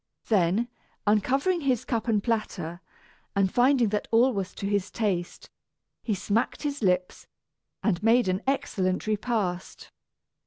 Then, uncovering his cup and platter, and finding that all was to his taste, he smacked his lips, and made an excellent repast.